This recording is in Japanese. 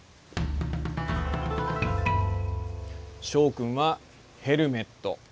昭君はヘルメット。